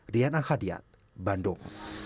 riana khadiat bandung